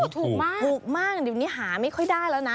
ถูกมากถูกมากเดี๋ยวนี้หาไม่ค่อยได้แล้วนะ